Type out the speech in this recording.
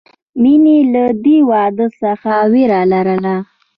مینې له دې واده څخه وېره لرله